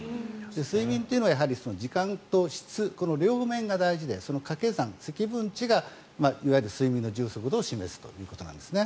睡眠というのは時間と質両面が大事でその掛け算、積分値がいわゆる睡眠の充足度を示すということなんです。